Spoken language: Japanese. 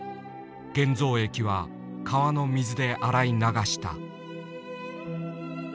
現像液は川の水で洗い流した。